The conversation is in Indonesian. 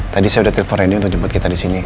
tadi saya udah telpon randy untuk jemput kita di sini